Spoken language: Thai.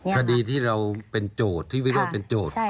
คดีที่เราเป็นโจทย์ที่เรียกว่าเป็นโจทย์